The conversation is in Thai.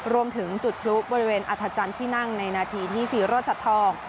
รวมถึงจุดพลุบริเวณอัธจันทร์ที่นั่งในนาทีที่ซีโรชัดทอง